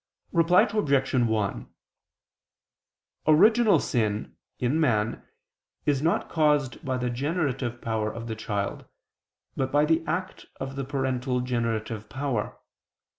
Reply Obj. 1: Original sin, in man, is not caused by the generative power of the child, but by the act of the parental generative power.